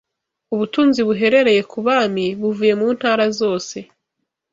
ubutunzi buherereye ku bami buvuye mu ntara zose